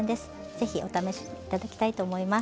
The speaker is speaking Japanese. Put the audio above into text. ぜひお試し頂きたいと思います。